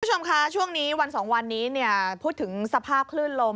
คุณผู้ชมค่ะวันสองวันนี้พูดถึงสภาพคลื่นลม